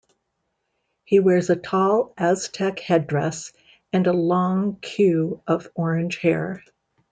He wears a tall Aztec headdress and a long queue of orange hair.